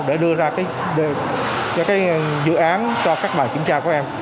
để đưa ra những cái dự án cho các bài kiểm tra của em